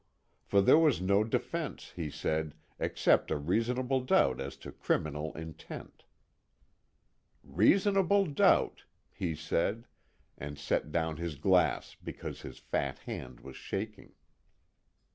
For there was no defense, he said, except a reasonable doubt as to criminal intent. "Reasonable doubt!" he said, and set down his glass because his fat hand was shaking.